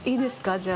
じゃあ。